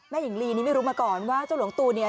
หญิงลีนี่ไม่รู้มาก่อนว่าเจ้าหลวงตูนเนี่ย